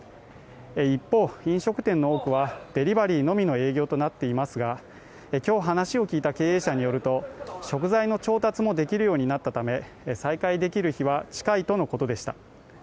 一方、飲食店の多くは、デリバリーのみの営業となっていますが今日話を聞いた経営者によると、食材の調達もできるようになったため再開できる日は近いとのことでした。